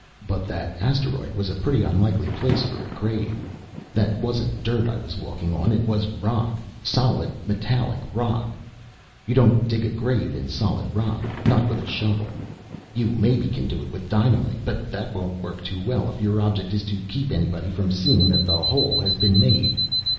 But that asteroid was a pretty unlikely place for a grave. That wasn't dirt I was walking on, it was rock, solid metallic rock. You don't dig a grave in solid rock, not with a shovel. You maybe can do it with dynamite, but that won't work too well if your object is to keep anybody from seeing that the hole has been made.